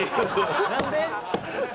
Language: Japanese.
何で？